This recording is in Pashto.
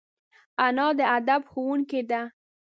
انا د ادب ښوونکې ده